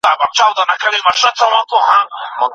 موږ ټول باید د داسې فکر خاوندان اوسو.